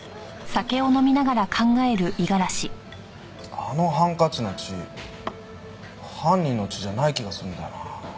あのハンカチの血犯人の血じゃない気がするんだよな。